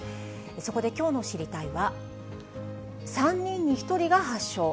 そこできょうの知りたいッ！は、３人に１人が発症。